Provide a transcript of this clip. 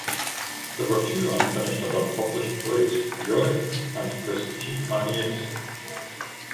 There were two unfinished and unpublished plays - "Yorick" and "Les Petites Manies".